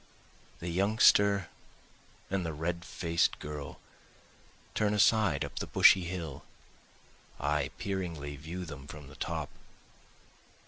The youngster and the red faced girl turn aside up the bushy hill, I peeringly view them from the top.